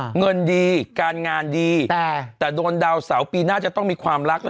อ่าเงินดีการงานดีแต่แต่โดนเดาเสริมปีหน้าจะต้องมีความรัก